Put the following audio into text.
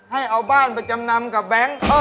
ให้เอาแบบประจำนำกับแบงค์